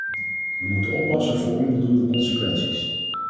We moeten oppassen voor onbedoelde consequenties.